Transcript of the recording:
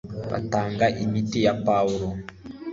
batanga imiti ya pawulo